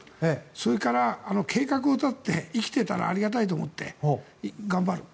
それから計画を立てて生きていたらありがたいと思って頑張る。